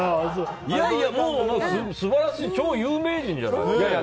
いやいや、素晴らしい超有名人じゃない。